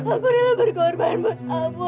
aku rela berkorban buat abu